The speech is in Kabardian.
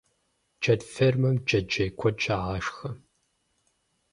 Джэд фермэм джэджьей куэд щагъашхэ.